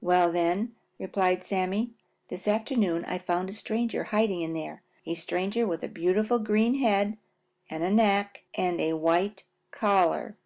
"Well, then," replied Sammy, "this afternoon I found a stranger hiding in there, a stranger with a beautiful green head and neck and a white collar."